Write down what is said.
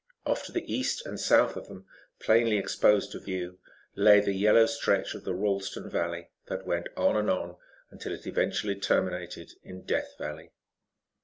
Off to the east and south of them, plainly exposed to view, lay the yellow stretch of the Ralston Valley that went on and on until it eventually terminated in Death Valley.